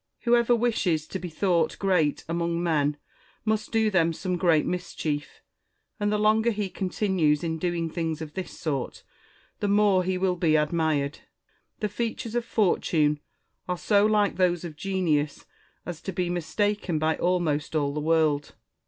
Whoever wishes to be thought great among men must do them some great mischief; and the longer he continues in doing things of this sort, the more he will be admired. The features of Fortune are so like those of Genius as to be mistaken by almost all the world.